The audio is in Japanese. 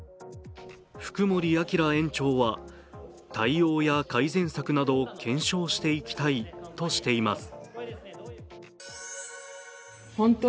福守朗園長は、対応や改善策などを検証していきたいとしています。